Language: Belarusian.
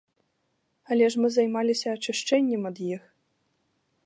Але ж мы займаліся ачышчэннем ад іх.